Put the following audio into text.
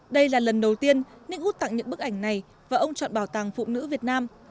đây là lần đầu tiên nick wt tặng những bức ảnh này và ông chọn bảo tàng phụ nữ việt nam